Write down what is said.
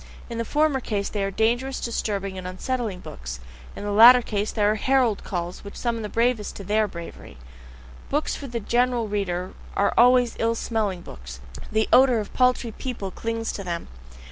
In the former case they are dangerous, disturbing, unsettling books, in the latter case they are herald calls which summon the bravest to THEIR bravery. Books for the general reader are always ill smelling books, the odour of paltry people clings to them.